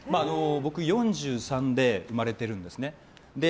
僕、４３で生まれてるんですね。